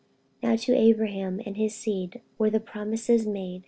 48:003:016 Now to Abraham and his seed were the promises made.